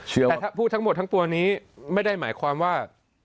แต่ถ้าพูดทั้งหมดทั้งปวงนี้ไม่ได้หมายความว่า